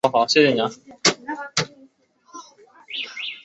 这较之耍阴谋诡计更有利于问题的解决。